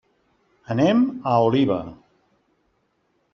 Anem a Oliva.